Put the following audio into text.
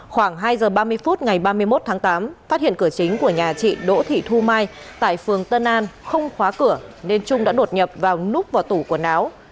khoảng hai giờ ba mươi phút ngày ba mươi một tháng tám phát hiện cửa chính của nhà chị đỗ thị thu mai tại phường tân an không khóa cửa nên trung đã đột nhập vào núp vào tủ quần áo